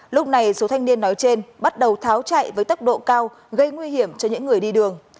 lúc này số thanh niên nói trên bắt đầu tháo chạy với tốc độ cao gây nguy hiểm cho những người đi đường